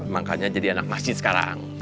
makanya jadi anak masjid sekarang